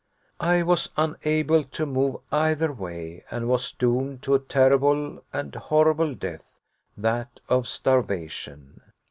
I was unable to move either way, and was doomed to a terrible and horrible death, that of starvation.